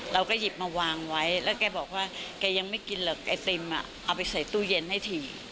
เราก็หยิบมาวางไว้แล้วแกบอกว่าแกยังไม่กินหรอกไอติมเอาไปใส่ตู้เย็นให้ถี่